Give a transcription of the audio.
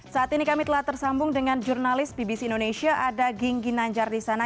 saat ini kami telah tersambung dengan jurnalis pbc indonesia ada ging ginanjar di sana